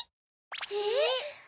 えっ？